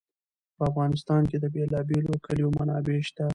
په افغانستان کې د بېلابېلو کلیو منابع شته.